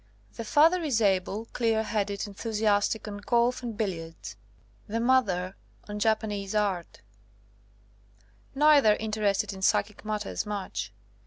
The father is able, clear headed, enthusiastic on golf and billiards ; the mother on Japanese art; neither interested in psychic matters much.